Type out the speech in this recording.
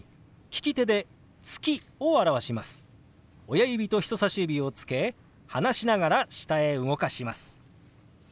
親指と人さし指をつけ離しながら下へ動かします。